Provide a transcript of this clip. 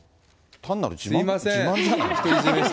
単なる自慢か。